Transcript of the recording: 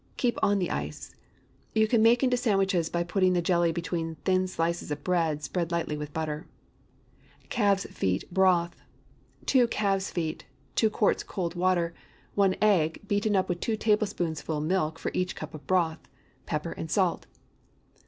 Keep on the ice. You can make into sandwiches by putting the jelly between thin slices of bread spread lightly with butter. CALVES' FEET BROTH. 2 calves' feet. 2 quarts cold water. 1 egg, beaten up with two tablespoonfuls milk for each cupful of broth. Pepper and salt.